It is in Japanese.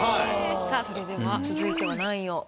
さあそれでは続いては何位を。